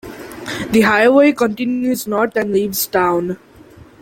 The highway continues north and leaves town.